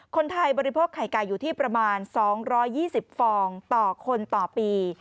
คนไทยบริโภคไข่ไก่อยู่ที่ประมาณ๒๒๐ฟองต่อคนต่อปี